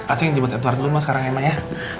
asyik jemput eplar dulu mak sekarang ya mak ya